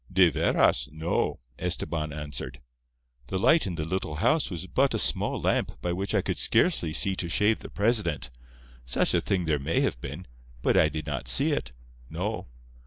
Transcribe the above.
"De veras—no," Estebán answered. "The light in the little house was but a small lamp by which I could scarcely see to shave the President. Such a thing there may have been, but I did not see it. No.